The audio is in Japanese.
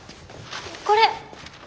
これ！